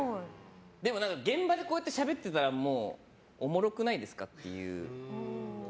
現場でしゃべってたらもうおもろくないですかっていう。